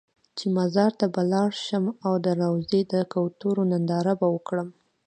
چې مزار ته به لاړ شم او د روضې د کوترو ننداره به وکړم.